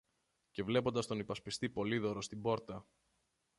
Και βλέποντας τον υπασπιστή Πολύδωρο στην πόρτα